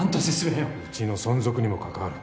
うちの存続にも関わる。